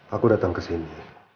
aku datang ke sini